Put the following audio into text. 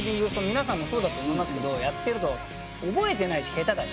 皆さんもそうだと思いますけどやってると覚えてないし下手だし。